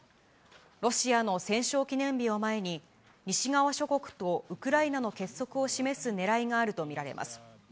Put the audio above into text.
ロシアの戦勝記念日を前に、西側諸国とウクライナの結束を示すねらいがあると見られます。